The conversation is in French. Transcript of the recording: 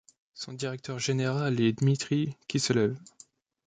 Son directeur général est Dmitri Kisselev.